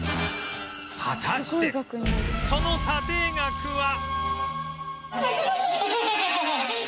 果たしてその査定額は？